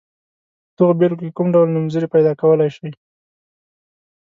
په دغو بېلګو کې کوم ډول نومځري پیداکولای شئ.